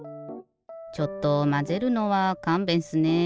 ちょっとまぜるのはかんべんっすね。